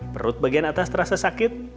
perut bagian atas terasa sakit